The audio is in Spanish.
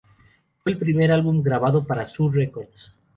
Fue el primer álbum grabado para Zoo Records.